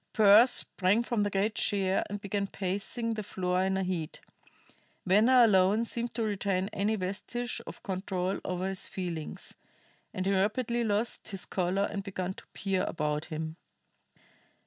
Pearse sprang from the great chair and began pacing the floor in a heat. Venner alone seemed to retain any vestige of control over his feelings; and he rapidly lost his color and began to peer about him.